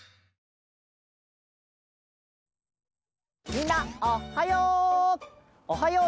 みんなおっはよう！